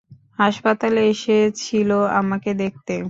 হাসপাতালে এসেছিল আমাকে দেখতে।